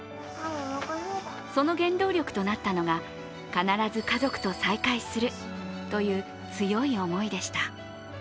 その原動力となったのが必ず家族と再会するという強い思いでした。